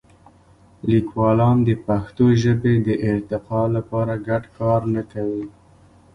لیکوالان د پښتو ژبې د ارتقا لپاره ګډ کار نه کوي.